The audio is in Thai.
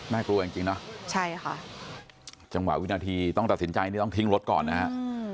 กลัวจริงเนอะใช่ค่ะจังหวะวินาทีต้องตัดสินใจนี่ต้องทิ้งรถก่อนนะฮะ